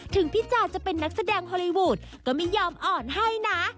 ถึงพี่จ๋าจะเป็นนักแสดงฮอลลีวูดก็ไม่ยอมอ่อนให้นะ